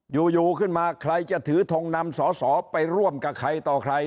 อยู่ขึ้นมาใครจะถือทงนำสอสอไปร่วมกับใครต่อใคร